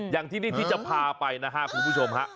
อย่างที่นี่ที่จะพาไปนะฮะคุณผู้ชมฮะ